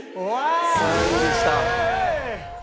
３位でした。